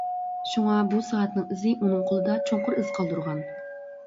شۇڭا بۇ سائەتنىڭ ئىزى ئۇنىڭ قولدا چوڭقۇر ئىز قالدۇرغان.